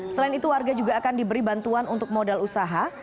selain itu warga juga akan diberi bantuan untuk modal usaha